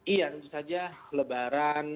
iya tentu saja lebaran